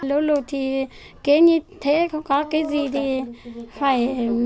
lúc lúc thì kế như thế không có cái gì thì phải